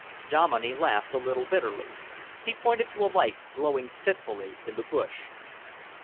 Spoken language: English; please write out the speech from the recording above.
Dominey laughed a little bitterly. He pointed to a light glowing fitfully in the bush.